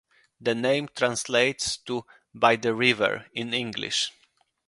The name translates to "by the river" in English.